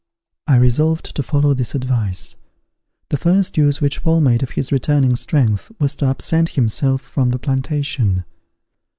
I resolved to follow this advice. The first use which Paul made of his returning strength was to absent himself from the plantation.